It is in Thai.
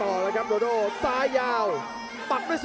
โอ้โหไม่พลาดกับธนาคมโด้แดงเขาสร้างแบบนี้